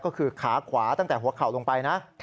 ก็คือขาขวาตั้งแต่หัวเข่าลงไปนะ